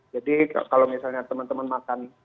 jadi kalau misalnya teman teman makan rambi instan